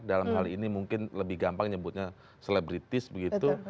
dalam hal ini mungkin lebih gampang nyebutnya selebritis begitu